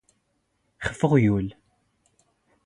ⵅⴼ ⵓⵖⵢⵓⵍ.